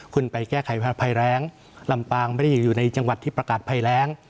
คุณไปแก้ไขภัยแรงลำปางไม่ได้อยู่ในจังหวัดที่ประกาศภัยแรง